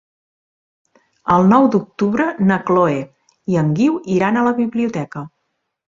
El nou d'octubre na Chloé i en Guiu iran a la biblioteca.